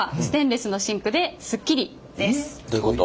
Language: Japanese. どういうこと？